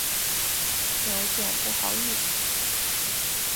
有点不好意思